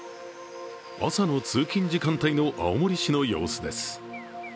朝の通勤時間帯の青森市の様子です。